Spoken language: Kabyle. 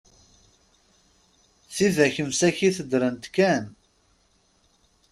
Tidak msakit ddrent kan.